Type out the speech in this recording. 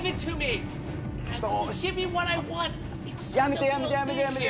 やめてやめてやめてやめて。